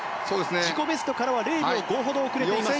自己ベストからは０秒５ほど遅れています。